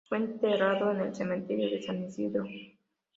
Fue enterrado en el cementerio de San Isidro.